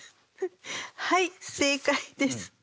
はい正解です。